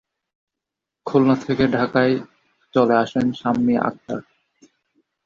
খুলনা থেকে ঢাকায় চলে আসেন শাম্মী আখতার।